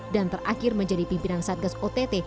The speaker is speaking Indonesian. dan terakhir menjadi pimpinan satgas ott